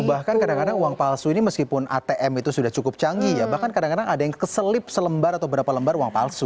bahkan kadang kadang uang palsu ini meskipun atm itu sudah cukup canggih ya bahkan kadang kadang ada yang keselip selembar atau berapa lembar uang palsu